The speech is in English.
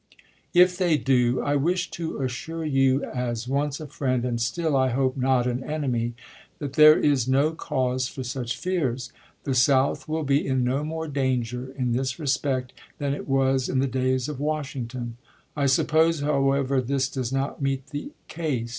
If they do, I wish to assure you, as once a friend, and still, I hope, not an enemy, that there is no cause for such fears. The South would be in no more danger in this respect than it was in the days of Washington. I suppose, however, this does not meet the case.